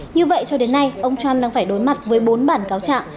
như vậy cho đến nay ông trump đang phải đối mặt với bốn bản cáo trạng